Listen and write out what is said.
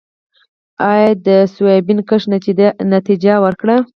آیا د سویابین کښت نتیجه ورکړې؟